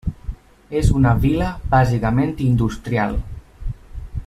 És una vila bàsicament industrial.